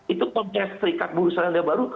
itu komite serikat buru selandia baru